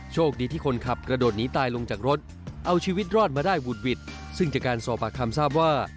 โชคดีที่คนขับกระโดดหนีตายลงจากรถเอาชีวิตรอดมาได้หวุดหวิดซึ่งจากการสอบปากคำทราบว่า